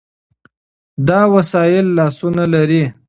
دا وسایل لاسونه لري.